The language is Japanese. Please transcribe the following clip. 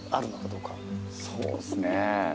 そうっすね。